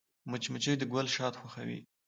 مچمچۍ د ګل شات خوښوي